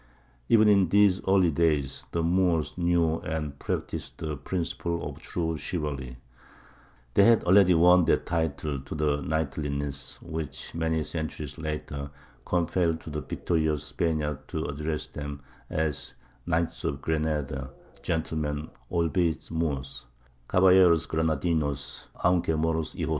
Even in these early days the Moors knew and practised the principles of true chivalry. They had already won that title to knightliness which many centuries later compelled the victorious Spaniards to address them as "Knights of Granada, Gentlemen, albeit Moors:" Caballeros Granadinos Aunque Moros hijos d'algo.